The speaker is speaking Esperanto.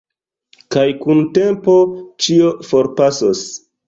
Kaj kun tempo ĉio forpasos.